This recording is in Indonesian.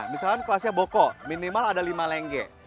misalkan kelasnya boko minimal ada lima lengge